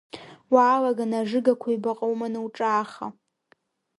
Уаалаганы ажыгақәа ҩбаҟа уманы уҿааха…